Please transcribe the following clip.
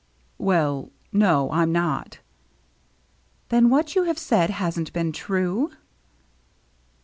"Well no, I'm not." "Then what you have said hasn't been true?"